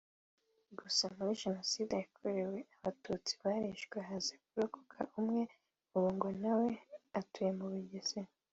gusa muri Jenoside yakorewe Abatutsi barishwe haza kurokoka umwe ubu ngo na we atuye mu Bugesera